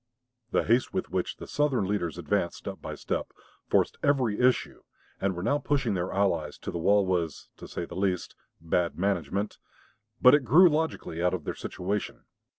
The haste with which the Southern leaders advanced step by step, forced every issue, and were now pushing their allies to the wall was, to say the least, bad management, but it grew logically out of their situation.